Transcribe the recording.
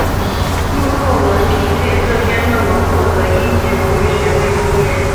陆克文凭藉这篇论文获得一级荣誉学位毕业。